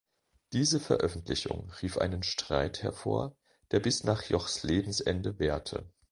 Diese Veröffentlichung rief einen Streit hervor, der bis nach Jochs Lebensende währte.